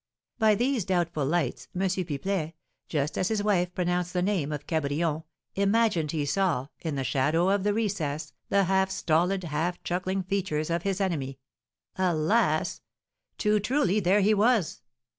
By these doubtful lights, M. Pipelet, just as his wife pronounced the name of Cabrion, imagined he saw, in the shadow of the recess, the half stolid, half chuckling features of his enemy. Alas! Too truly, there he was.